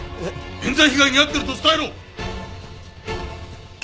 冤罪被害に遭ってると伝えろ！